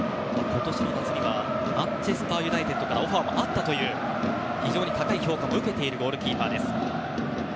マンチェスター・ユナイテッドからオファーもあったという非常に高い評価も受けているゴールキーパーです。